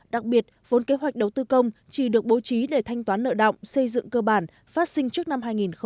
đặc biệt vốn kế hoạch đầu tư công chỉ được bố trí để thanh toán nợ động xây dựng cơ bản phát sinh trước năm hai nghìn hai mươi